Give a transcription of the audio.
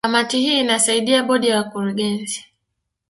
Kamati hii inasaidia Bodi ya Wakurugenzi